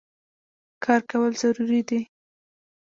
کار کول ضروري دی.